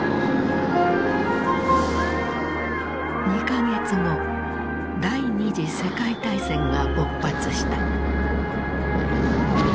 ２か月後第二次世界大戦が勃発した。